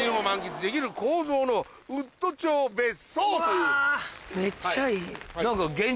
うわめっちゃいい。